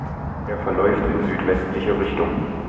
Er verläuft in südwestliche Richtung.